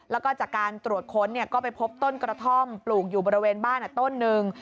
แล้วก็จากการตรวจค้นก็ไปพบต้นกระท่อมปลูกอยู่บริเวณบ้านต้นหนึ่ง